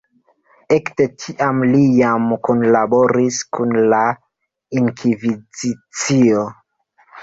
Ekde tiam li jam kunlaboris kun la Inkvizicio.